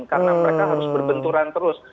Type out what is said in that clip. karena mereka harus berbenturan terus